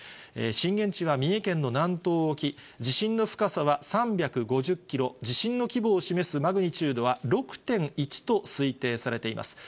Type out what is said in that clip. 震源地は三重県の南東沖、地震の深さは３５０キロ、地震の規模を示すマグニチュードは６．１と推定されています。